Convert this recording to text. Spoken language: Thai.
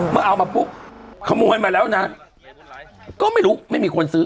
เอามาปุ๊บขโมยมาแล้วนะก็ไม่รู้ไม่มีคนซื้อ